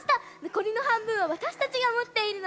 残りの半分は私たちが持っているので。